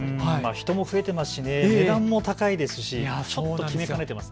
人も増えていますし値段も高いですし、ちょっと決めかねています。